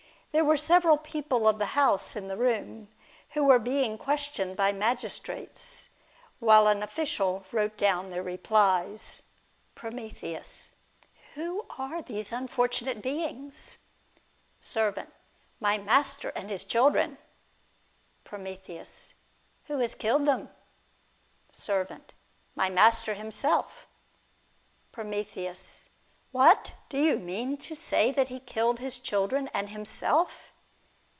There were several people of the house in the room, w^ho were being questioned by magistrates, while an ofhcial wrote down their replies. From. Who are these unfortunate beings ? Servant. My master and his children. Prom. Who has killed them ? Servant. My master himself. Prom. What! Do you mean to say he killed his children and himself?